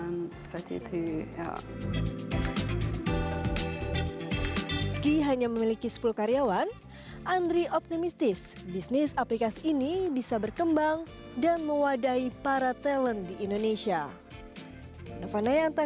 meski hanya memiliki sepuluh karyawan andri optimistis bisnis aplikasi ini bisa berkembang dan mewadai para talent di indonesia